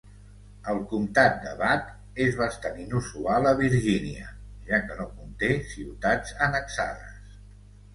El comtat de Bath és bastant inusual a Virgínia, ja que no conté ciutats annexades.